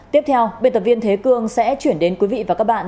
tiếp theo biên tập viên thế cương sẽ chuyển đến quý vị và các bạn